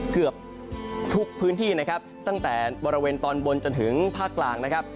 เกือบทุกพื้นที่นะครับตั้งแต่บริเวณตอนบนจนถึงภาคกลางนะครับ